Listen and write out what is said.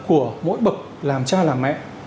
của mỗi bậc làm cha làm mẹ